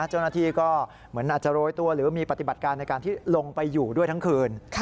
เจ้าหน้าที่ก็เหมือนอาจจะโรยตัวหรือมีปฏิบัติการในการที่ลงไปอยู่ด้วยทั้งคืน